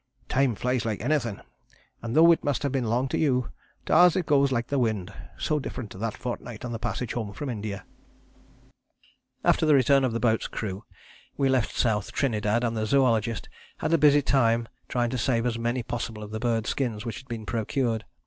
Time flies like anything, and though it must have been long to you, to us it goes like the wind so different to that fortnight on the passage home from India." After the return of the boat's crew we left South Trinidad, and the zoologists had a busy time trying to save as many as possible of the bird skins which had been procured.